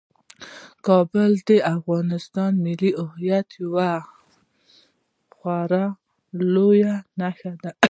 کابل د افغانستان د ملي هویت یوه خورا لویه نښه ده.